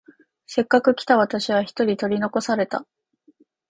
せっかく来た私は一人取り残された。